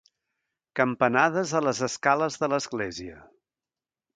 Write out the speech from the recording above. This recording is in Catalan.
Campanades a les escales de l'Església.